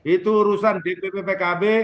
itu urusan dpp pkb